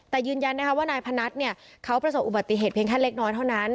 แต่ยืนยันนะคะว่านายพนัทเขาประสบอุบัติเหตุเพียงแค่เล็กน้อยเท่านั้น